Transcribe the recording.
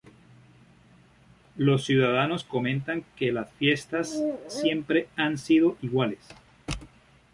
Los ciudadanos comentan que las fiestas siempre han sido iguales.